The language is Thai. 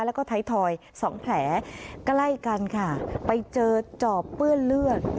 แล้วก็ไทยทอยสองแผลใกล้กันค่ะไปเจอจอบเปื้อนเลือด